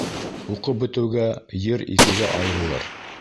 Уҡып бөтөүгә ер икегә айырылыр.